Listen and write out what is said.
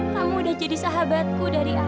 kamu udah jadi sahabatku dari aku